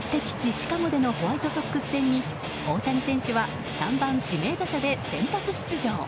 シカゴでのホワイトソックス戦に大谷選手は３番指名打者で先発出場。